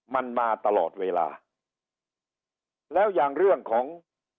มันมาตลอดเวลาแล้วอย่างเรื่องของ